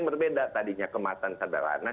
berbeda tadinya kemasan sederhana